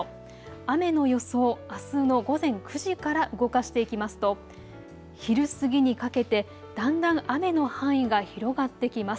雨の予想、あすの午前９時から動かしていきますと昼過ぎにかけて、だんだん雨の範囲が広がってきます。